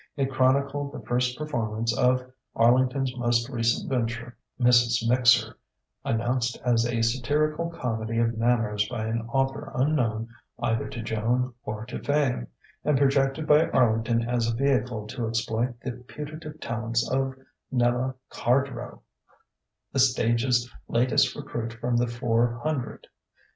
It chronicled the first performance of Arlington's most recent venture, "Mrs. Mixer," announced as a satirical comedy of manners by an author unknown either to Joan or to fame, and projected by Arlington as a vehicle to exploit the putative talents of Nella Cardrow, "the stage's latest recruit from the Four Hundred."